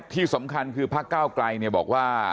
ที่สำคัญคือพระเก้ากลายเนี่ยบอกว่า